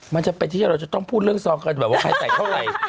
มันจะเป็นที่เราจะต้องพูดเรื่องซองกันแบบว่าใครใส่เท่าไหร่